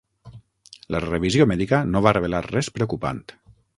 La revisió mèdica no va revelar res preocupant.